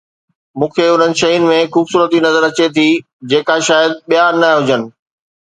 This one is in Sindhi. مون کي انهن شين ۾ خوبصورتي نظر اچي ٿي جيڪا شايد ٻيا نه هجن